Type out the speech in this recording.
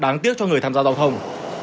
đáng tiếc cho người tham gia giao thông